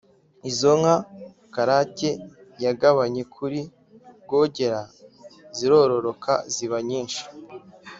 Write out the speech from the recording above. izo nka karake yagabanye kuri r wogera zirororoka ziba nyinshi